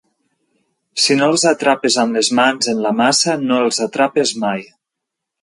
Si no els atrapes amb les mans en la massa no els atrapes mai.